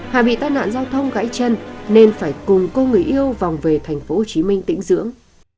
hà bị tai nạn giao thông gãy chân nên phải cùng cô người yêu vòng về thành phố hồ chí minh tỉnh dưỡng